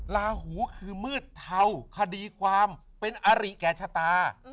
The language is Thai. ลาหูคือมืดเทาคดีความเป็นอริแก่ชะตา